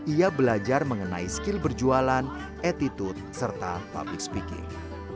ia belajar mengenai skill berjualan attitude serta public speaking